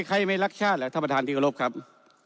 ใครไม่รักชาติล่ะท่านประธานที่โรบครับ